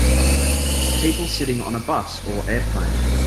People sitting on a bus or airplane.